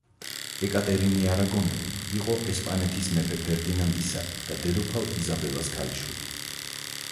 ეკატერინე არაგონელი იყო ესპანეთის მეფე ფერდინანდისა და დედოფალ იზაბელას ქალიშვილი.